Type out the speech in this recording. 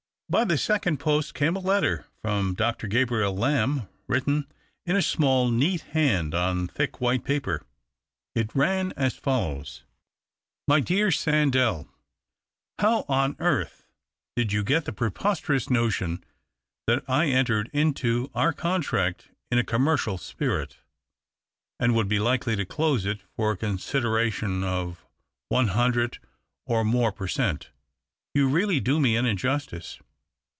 By the second post came a letter from Dr. Gabriel Lamb, written in a small neat hand on thick white paper. It ran as follows :— THE OCTAVE OF CLAUDIUS. 217 " My dear Sandell, " How on earth did you get the preposterous notion that I entered into our contract in a commercial spirit, and would be likely to close it for a consideration of one hundred, or more, per cent. ? You really do me an injustice.